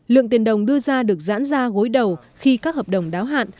lượng tiền đồng đưa ra được giãn ra gối đầu khi các hợp đồng đáo hạn